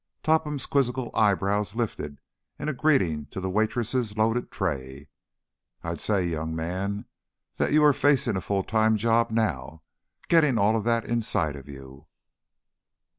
Topham's quizzical eyebrows lifted in greeting to the waitress's loaded tray. "I'd say, young man, that you are facing a full time job now, getting all that inside of you."